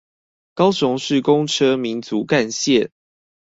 高雄市公車民族幹線